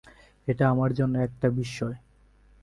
এটা আমার জন্য একটা বিশ্ময়।